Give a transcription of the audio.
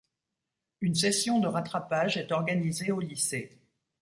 Une session de rattrapage est organisée au lycée.